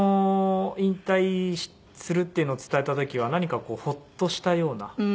引退するっていうのを伝えた時は何かこうホッとしたような。